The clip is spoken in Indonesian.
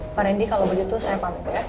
pak randy kalau begitu saya pamit ya